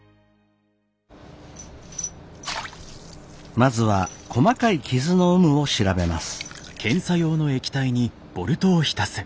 まずは細かい傷の有無を調べます。